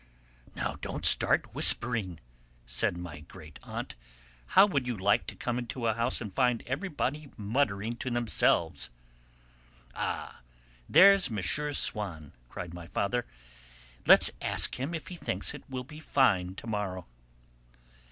"Now, don't start whispering!" said my great aunt. "How would you like to come into a house and find everyone muttering to themselves?" "Ah! There's M. Swann," cried my father. "Let's ask him if he thinks it will be fine to morrow."